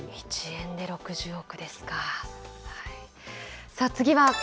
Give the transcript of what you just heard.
１円で６０億ですか。